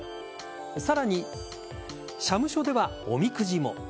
さらに、社務所ではおみくじも。